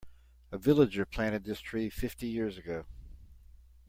A villager planted this tree fifty years ago.